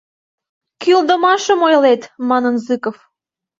— Кӱлдымашым ойлет, — манын Зыков.